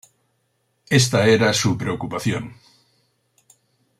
Esta era su preocupación.